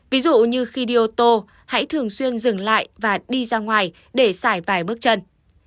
ví dụ như khi đi ô tô hãy thường xuyên dừng lại và đi ra ngoài để xài vài bước chân